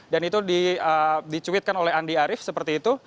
dan itu dicuitkan oleh andi arief seperti itu